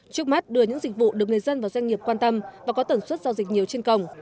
trước mắt đưa những dịch vụ được người dân và doanh nghiệp quan tâm và có tẩn xuất giao dịch nhiều trên công